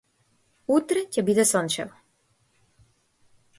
Утре ќе биде сончево.